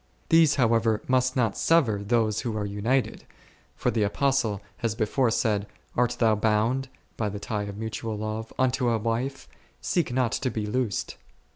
These however must not sever those who are united, for the Apostle has before said, art thou bGund by the tie of mutual love unto a wife, seek not to be loosed.